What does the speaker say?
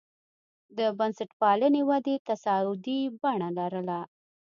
د بنسټپالنې ودې تصاعدي بڼه لرله.